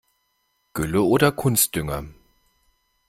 Gülle oder Kunstdünger?